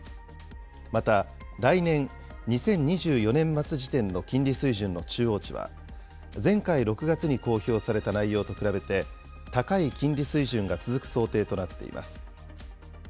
また、来年・２０２４年末時点の金利水準の中央値は、前回・６月に公表された内容と比べて高い金利水準が続く想定となっています。